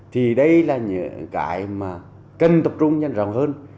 thì đây là những cái mà cần tập trung nhân rộng hơn